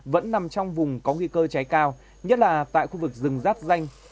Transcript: vẫn nằm trong vùng có nguy cơ cháy cao nhất là tại khu vực rừng ráp danh